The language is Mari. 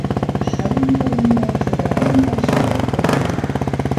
Шылын толын да чодыра лоҥгаште куклен илен.